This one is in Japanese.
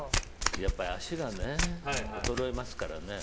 やっぱり足が衰えますからね。